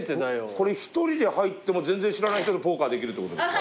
これ一人で入っても全然知らない人とポーカーできるってことですか？